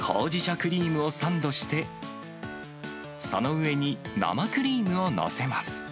クリームをサンドして、その上に生クリームを載せます。